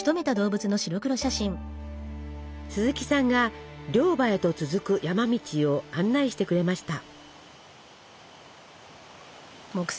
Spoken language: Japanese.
鈴木さんが猟場へと続く山道を案内してくれました。